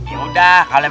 ya udah pak satpam